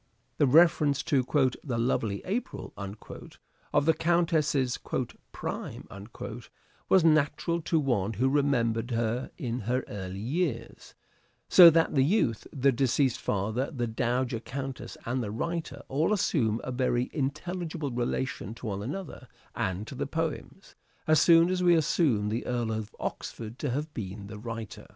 The reference to " the lovely April " of the Countess's " prime " was natural to one who remembered her in her early years ; so that the youth, the deceased father, the Dowager Countess, and the writer, all assume a very intelligible relation to one another and to the poems, as soon as we assume the Earl of Oxford to have been the writer.